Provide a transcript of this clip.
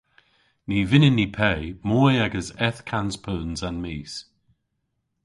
Ny vynnyn ni pe moy ages eth kans peuns an mis.